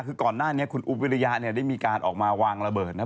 คือก่อนหน้านี้คุณอุ๊บวิริยะเนี่ยได้มีการออกมาวางระเบิดนะ